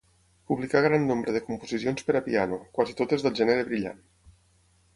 Publicà gran nombre de composicions per a piano, quasi totes del gènere brillant.